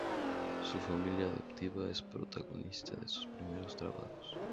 Su familia adoptiva es protagonista de sus primeros trabajos.